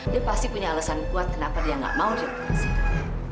dia pasti punya alasan buat kenapa dia gak mau dioperasi